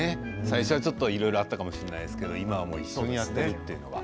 最初はちょっといろいろあったかもしれないですけど今は一緒にやっているというのは。